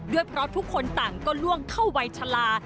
ด้วยเพราะทุกคนต่างก็ล่วงเข้าวัยชะลา